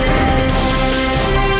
biến b infinitron